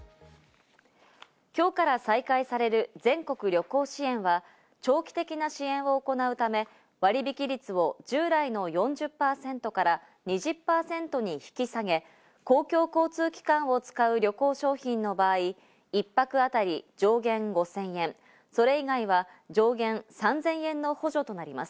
今日から再開される全国旅行支援は、長期的な支援を行うため、割引率を従来の４０％から２０％に引き下げ、公共交通機関を使う旅行商品の場合、１泊あたり上限５０００円、それ以外は上限３０００円の補助となります。